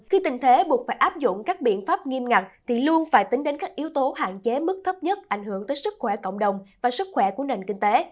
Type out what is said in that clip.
khi tình thế buộc phải áp dụng các biện pháp nghiêm ngặt thì luôn phải tính đến các yếu tố hạn chế mức thấp nhất ảnh hưởng tới sức khỏe cộng đồng và sức khỏe của nền kinh tế